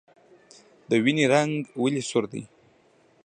د وینې رنګ ولې سور دی